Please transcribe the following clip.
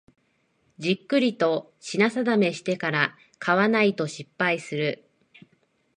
じっくりと品定めしてから買わないと失敗する